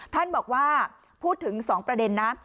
ท่านบอกว่าพูดถึง๒ประเด็นนะ